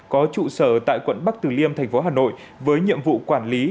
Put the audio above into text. có trụ sở tại quận bắc tử liêm thành phố hà nội với nhiệm vụ quản lý